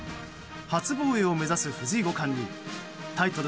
初防衛を目指す藤井五冠にタイトル